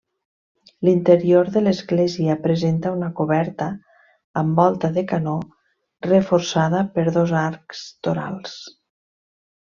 L'interior de l'església presenta una coberta amb volta de canó reforçada per dos arcs torals.